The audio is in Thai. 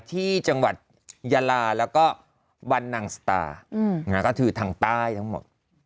ที่จังหวัดยาลาแล้วก็วันนังสตาก็คือทางใต้ทั้งหมด